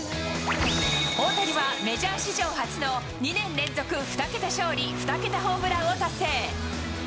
大谷はメジャー史上初の２年連続２桁勝利、２桁ホームランを達成。